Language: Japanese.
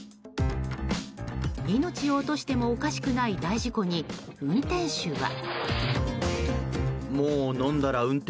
命を落としてもおかしくない大事故に運転手は。